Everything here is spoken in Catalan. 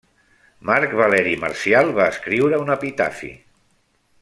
Marc Valeri Marcial va escriure un epitafi.